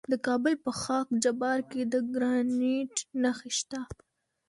د کابل په خاک جبار کې د ګرانیټ نښې شته.